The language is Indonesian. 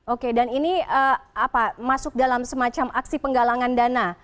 oke dan ini masuk dalam semacam aksi penggalangan dana